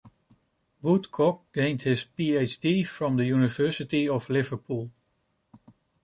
Woodcock gained his PhD from the University of Liverpool.